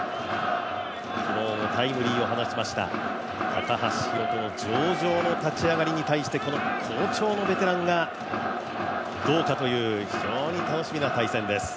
昨日タイムリーを放ちました、高橋宏斗の上々の立ち上がりにこの好調のベテランがどうかという非常に楽しみな対戦です。